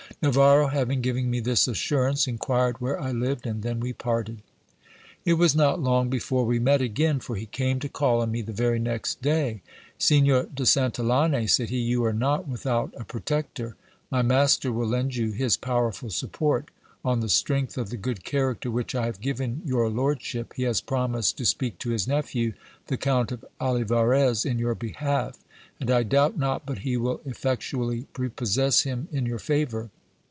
Navarro having given me this assurance, inquired where I lived, and then we parted. It was not long before we met again ; for he came to call on me the very next day. Signor de Santillane, said he, you are not without a protector ; my mas ter will lend you his powerful support : on the strength of the good character which I have given your lordship, he has promised to speak to his nephew, the Count of Olivarez, in your behalf ; and I doubt not but he will effectually pre possess him in your favour.